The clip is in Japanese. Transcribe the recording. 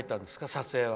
撮影は。